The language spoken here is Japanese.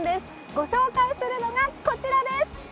ご紹介するのがこちらです。